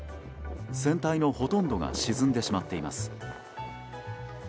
船体のほとんどが沈んでしまっています。